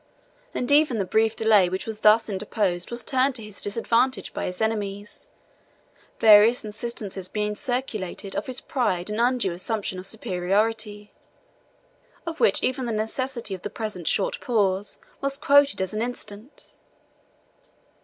And even the brief delay which was thus interposed was turned to his disadvantage by his enemies, various instances being circulated of his pride and undue assumption of superiority, of which even the necessity of the present short pause was quoted as an instance.